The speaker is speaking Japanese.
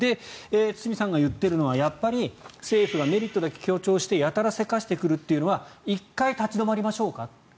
堤さんが言っているのはやっぱり政府がメリットだけ強調してやたらせかしてくるというのは１回立ち止まりましょうかと。